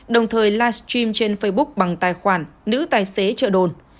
đồng thời livestream trên facebook bằng tài khoản nữ tài xế trợ đồn